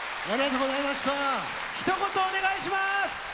ひと言お願いします。